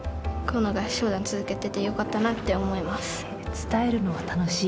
伝えるのは楽しい？